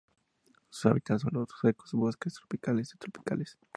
Su hábitat son los secos bosques tropicales y subtropicales.